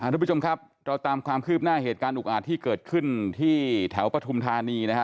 ทุกผู้ชมครับเราตามความคืบหน้าเหตุการณ์อุกอาจที่เกิดขึ้นที่แถวปฐุมธานีนะฮะ